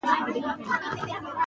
او نه مې پښې د پوهنتون په لور تلې .